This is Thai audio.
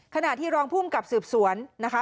ขณะที่รองภูมิกับสืบสวนนะคะ